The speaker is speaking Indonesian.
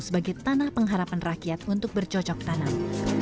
sebagai tanah pengharapan rakyat untuk bercocok tanam